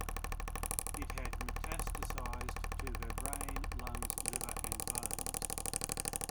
It had metastasised to her brain, lungs, liver and bones.